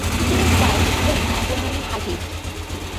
His singing style is clean and generally high-pitched.